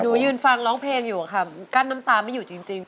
ยืนฟังร้องเพลงอยู่ค่ะกั้นน้ำตาไม่อยู่จริง